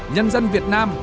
nhân dân việt nam